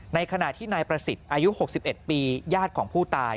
ในขณะที่นายประสิทธิ์อายุ๖๑ปีญาติของผู้ตาย